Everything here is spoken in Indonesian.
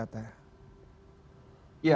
ya terlalu banyak